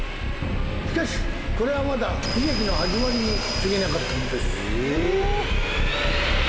しかしこれはまだ悲劇の始まりにすぎなかったのです。